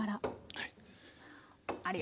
はい。